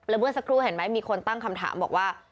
เมื่อสักครู่เห็นไหมมีคนตั้งคำถามบอกว่า